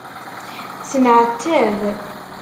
Tenεettab.